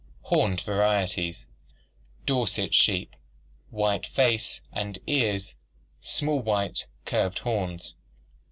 Horned varieties: Dorset sheep, white face and ears, small white curved horns.